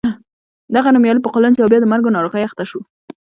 دغه نومیالی په قولنج او بیا د مرګو ناروغۍ اخته شو.